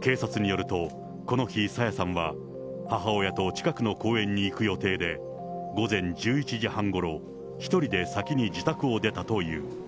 警察によると、この日、朝芽さんは、母親と近くの公園に行く予定で、午前１１時半ごろ、１人で先に自宅を出たという。